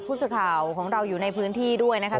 ผู้สื่อข่าวของเราอยู่ในพื้นที่ด้วยนะคะ